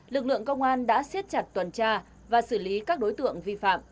lực lượng công an đã xiết chặt tuần tra và xử lý các đối tượng vi phạm